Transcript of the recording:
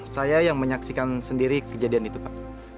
saya yang menyaksikan sendiri kejadian itu pak